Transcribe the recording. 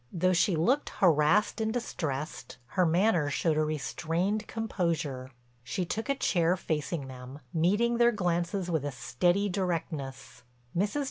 Though she looked harassed and distressed, her manner showed a restrained composure. She took a chair facing them, meeting their glances with a steady directness. Mrs.